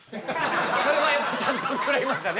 それはやっぱちゃんと怒られましたね。